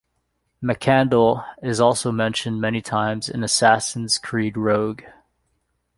Mackandal is also mentioned many times in "Assassin's Creed Rogue".